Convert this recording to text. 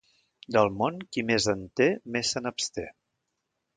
Del món, qui més en té, més se n'absté.